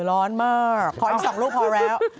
ร้อนมากพออีก๒ลูกพอแล้ว